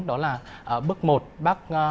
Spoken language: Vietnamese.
đó là bước một bác vặn nắp vào đến mức tối đa